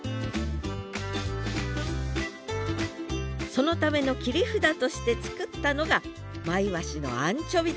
そのための切り札として作ったのがマイワシのアンチョビです。